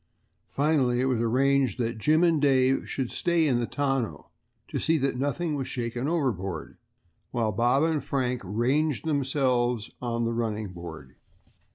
Finally it was arranged that Jim and Dave should stay in the tonneau to see that nothing was shaken overboard, while Bob and Frank ranged themselves on the running board.